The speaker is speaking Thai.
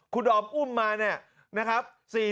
คุณดอมอุ้มมาเนี่ยนะครับ